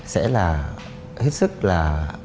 sẽ là hết sức là